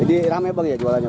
jadi rame banget ya jualannya